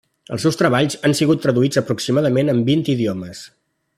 Els seus treballs han sigut traduïts aproximadament en vint idiomes.